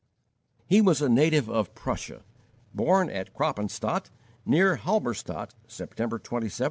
He was a native of Prussia, born at Kroppenstaedt, near Halberstadt, September 27, 1805.